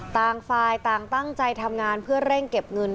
ต่างฝ่ายต่างตั้งใจทำงานเพื่อเร่งเก็บเงิน